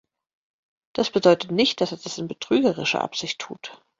Das bedeutet nicht, dass er das in betrügerischer Absicht tut.